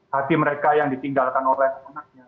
hati mereka yang ditinggalkan oleh anaknya